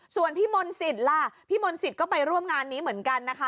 ส่วนพี่มนต์สิทธิ์ล่ะพี่มนต์สิทธิ์ก็ไปร่วมงานนี้เหมือนกันนะคะ